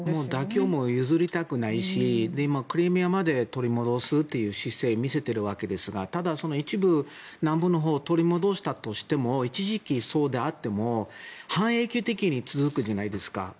妥協も、譲りたくないしクリミアまで取り戻すという姿勢を見せているわけですがただ一部、南部のほうを取り戻したとしても一時期、そうであっても半永久的に続くじゃないですか。